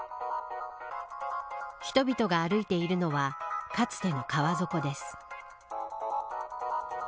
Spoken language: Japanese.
人々が歩いているのはかつての川底です。